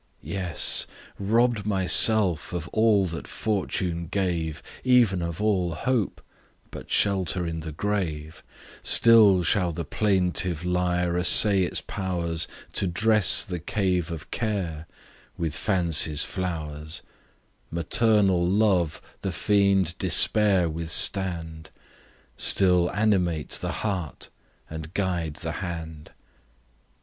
Yes! Robb'd myself of all that fortune gave, Even of all hope but shelter in the grave, Still shall the plaintive lyre essay its powers To dress the cave of Care with Fancy's flowers, Maternal Love the fiend Despair withstand, Still animate the heart and guide the hand.